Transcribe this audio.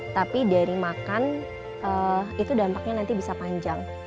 tapi dari makan itu dampaknya nanti bisa panjang